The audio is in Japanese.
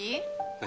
何？